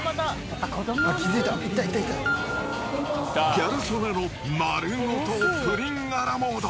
ギャル曽根の丸ごとプリンアラモード。